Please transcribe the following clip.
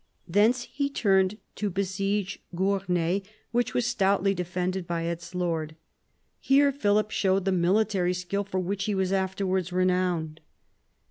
Thence he turned to besiege Gournay, which was stoutly defended by its lord. Here Philip showed the military skill for which he was afterwards renowned.